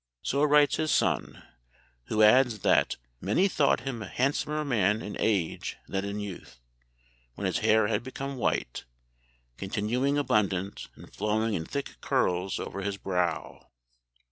So writes his son, who adds that 'many thought him a handsomer man in age than in youth,' when his hair had become white, continuing abundant, and flowing in thick curls over his brow.